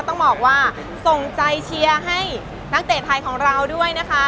ต้องบอกว่าส่งใจเชียร์ให้นักเตะไทยของเราด้วยนะคะ